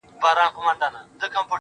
خالقه ما خو واوريدی سُروز په سجده کي_